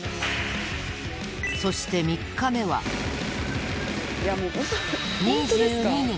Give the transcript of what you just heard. そして３日目は２２人。